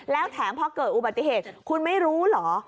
แล้วแถมพอเกิดอุบัติเหตุคุณไม่รู้เหรอ